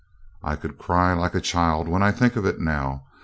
I could cry like a child when I think of it now.